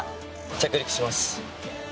着陸します。